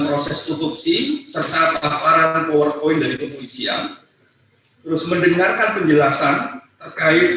proses tutup sih serta paparan powerpoint dari kompensi yang terus mendengarkan penjelasan terkait